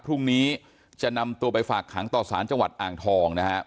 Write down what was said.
พรุ่งนี้จะนำตัวไปฝากขังต่อสารจังหวัดอ่างทองนะครับ